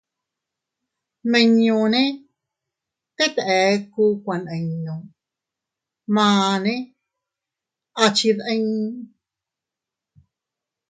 Nmiñunne tet ekku kuaninnu, manne a chindii.